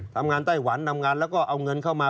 ไต้หวันทำงานแล้วก็เอาเงินเข้ามา